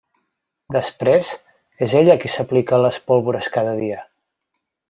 Després, és ella qui s'aplica les pólvores cada dia.